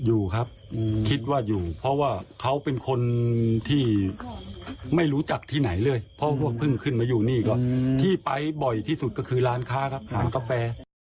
อยู่ครับคิดว่าอยู่เพราะว่าเขาเป็นคนที่ไม่รู้จักที่ไหนเลยเพราะว่าเพิ่งขึ้นมาอยู่นี่ก็ที่ไปบ่อยที่สุดก็คือร้านค้าครับร้านกาแฟ